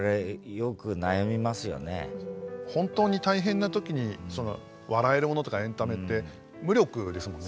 本当に大変な時にその笑えるものとかエンタメって無力ですもんね。